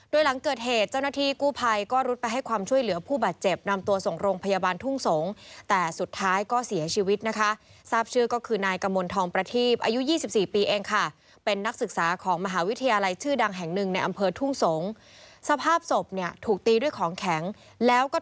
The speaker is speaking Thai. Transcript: โดยหลังเกิดเหตุเจ้าหน้าที่กู้ภัยก็รุดไปให้ความช่วยเหลือผู้บาดเจ็บนำตัวส่งโรงพยาบาลทุ่งสงศ์แต่สุดท้ายก็เสียชีวิตนะคะทราบชื่อก็คือนายกมลทองประทีบอายุ๒๔ปีเองค่ะเป็นนักศึกษาของมหาวิทยาลัยชื่อดังแห่งหนึ่งในอำเภอทุ่งสงศ์สภาพศพเนี่ยถูกตีด้วยของแข็งแล้วก็